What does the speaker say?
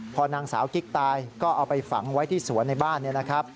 พอนางสาวกิ๊กตายก็เอาไปฝังไว้ที่สวนในบ้านเนี่ยนะครับ